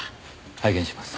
拝見します。